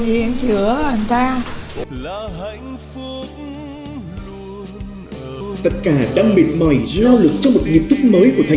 xin chào tất cả các bạn